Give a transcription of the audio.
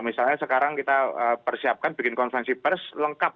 misalnya sekarang kita persiapkan bikin konferensi pers lengkap